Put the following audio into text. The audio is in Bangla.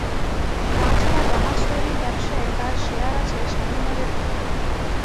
তা ছাড়া জাহাজ-তৈরির ব্যবসায়ে তাঁর শেয়ার আছে শালিমারের ঘাটে।